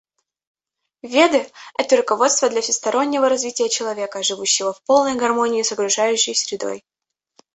Веды — это руководство для всестороннего развития человека, живущего в полной гармонии с окружающей средой.